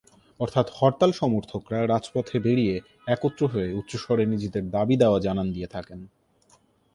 অর্থাৎ হরতাল সমর্থকরা রাজপথে বেরিয়ে একত্র হয়ে উচ্চস্বরে নিজেদের দাবি-দাওয়া জানান দিয়ে থাকেন।